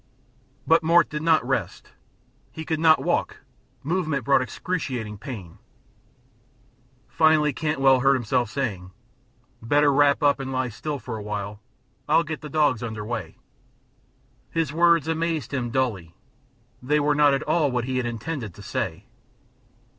But Mort did not rest. He could not walk; movement brought excruciating pain. Finally Cantwell heard himself saying: "Better wrap up and lie still for a while. I'll get the dogs underway." His words amazed him dully. They were not at all what he had intended to say.